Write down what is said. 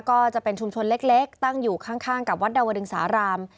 ก็จะเป็นชุมชนเล็กตั้งอยู่ข้างกับวัดดาวดึงสาราม